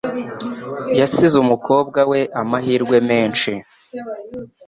Yasize umukobwa we amahirwe menshi.